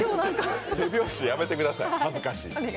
手拍子やめてください、恥ずかしい。